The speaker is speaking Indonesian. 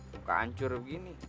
muka hancur begini